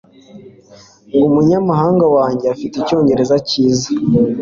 Umunyamabanga wanjye afite icyongereza cyiza.